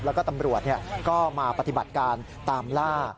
แล้วก็ตำรวจก็มาปฏิบัติการตามล่า